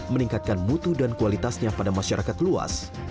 meningkatkan mutu dan kualitasnya pada masyarakat luas